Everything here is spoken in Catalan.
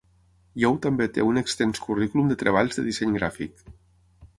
Yow també té un extens currículum de treballs de disseny gràfic.